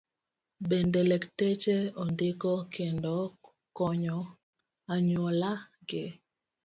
Bende, lakteche ondiki kendo konyo anyuola gi.